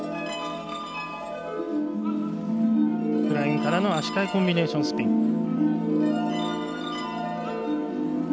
フライングからの足換えコンビネーションスピン。